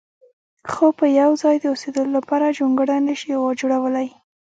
خو په یو ځای د اوسېدلو لپاره جونګړه نه شي جوړولی.